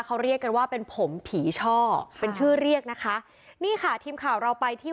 เขาเรียกกันว่าเป็นผมผีช่อเป็นชื่อเรียกนะคะนี่ค่ะทีมข่าวเราไปที่